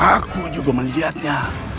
aku juga melihatnya